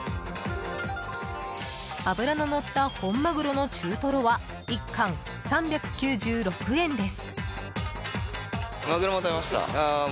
脂ののった本マグロの中トロは１貫３９６円です。